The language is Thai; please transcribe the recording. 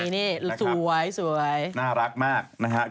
นี่สวยสวยน่ารักมากนะครับ